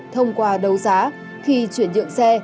thông qua đấu giá khi chuyển dựng xe